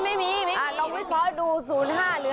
ไม่มีลองวิเคราะห์ดู๐๕หรือ๕